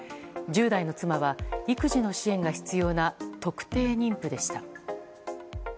１０代の妻は育児の支援が必要な特定妊婦でした。